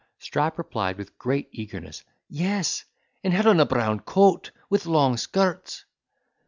Strap replied with great eagerness, "Yes, and had on a brown coat, with long skirts."